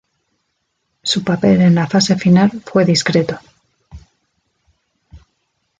Su papel en la fase final fue discreto.